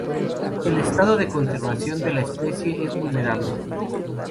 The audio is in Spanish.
El estado de conservación de la especie es vulnerable.